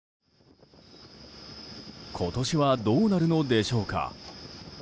今年はどうなるのでしょうか。